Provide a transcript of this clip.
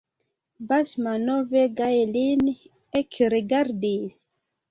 Basmanov gaje lin ekrigardis.